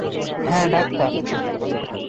হ্যাঁ, ডাক্তার!